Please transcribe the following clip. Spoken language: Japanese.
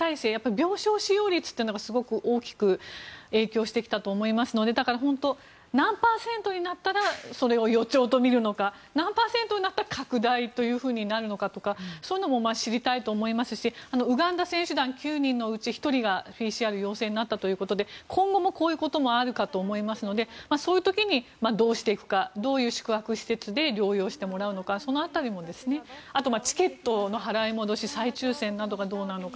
病床使用率というのがすごく大きく影響してきたと思いますので本当に何パーセントになったら予兆と見るのか何パーセントとなったら拡大というふうになるのかというのを知りたいと思いますしウガンダ選手団９人のうち１人がＰＣＲ陽性になったということで今後もこういうことはあるかと思いますのでそういう時にどうしていくかどういう宿泊施設で療養してもらうのかその辺りもあと、チケットの払い戻しや再抽選などがどうなるか。